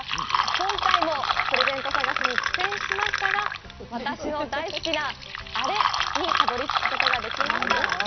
今回もプレゼント探しに苦戦しましたが、私の大好きなあれにたどり着くことができました。